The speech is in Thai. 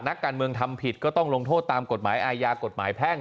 นักการเมืองทำผิดก็ต้องลงโทษตามกฎหมายอาญากฎหมายแพ่ง